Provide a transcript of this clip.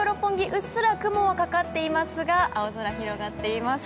うっすら雲がかかっていますが青空広がっています。